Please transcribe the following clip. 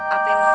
apa yang mau